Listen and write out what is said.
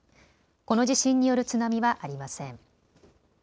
この地震による津波はありません。